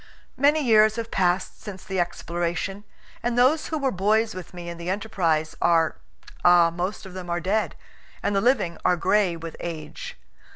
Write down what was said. Many years have passed since the exploration, and those who were boys with me in the enterprise are ah, most of them are dead, and the living are gray with age.